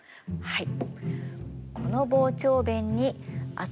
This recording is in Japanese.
はい。